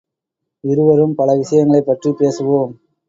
இருவரும் பல விஷயங்களைப் பற்றிப் பேசுவோம்.